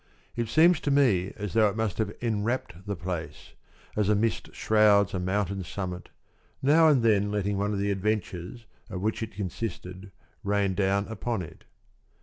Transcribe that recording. It seems to me as though it must have enwrapped the place, as a mist shrouds a mountain summit, now and then letting one of the adventures of which it consisted rain down upon it.